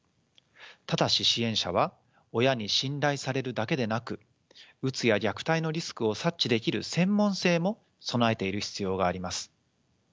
ただし支援者は親に信頼されるだけでなくうつや虐待のリスクを察知できる専門性も備えている必要があります。